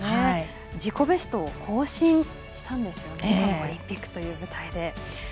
自己ベストを更新したんですねオリンピックという舞台で。